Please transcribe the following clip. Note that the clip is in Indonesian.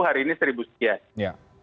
hari ini seribu sekian